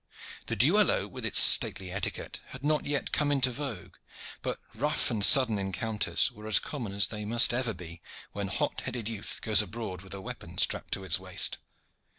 The duello with its stately etiquette had not yet come into vogue, but rough and sudden encounters were as common as they must ever be when hot headed youth goes abroad with a weapon strapped to its waist.